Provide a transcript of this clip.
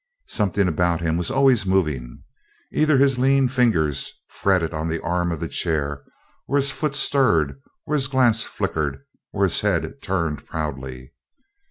Something about him was always moving. Either his lean fingers fretted on the arm of the chair, or his foot stirred, or his glance flickered, or his head turned proudly.